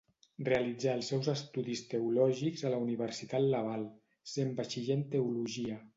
Realitzà els seus estudis teològics a la Universitat Laval, sent batxiller en teologia.